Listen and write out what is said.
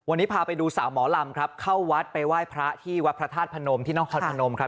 วันนี้พาไปดูสาวหมอลำงครับเข้าวัดไปไหว้พระที่อานะฮต้อนพนมครับ